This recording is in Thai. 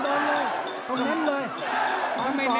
ตอนนี้มันถึง๓